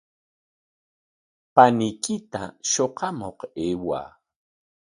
Paniykita shuqamuq ayway.